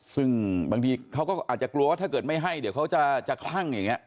ซึ่งบางทีเขาก็อาจจะกลัวว่าถ้าเกิดไม่ให้เดี๋ยวเขาจะคลั่งอย่างนี้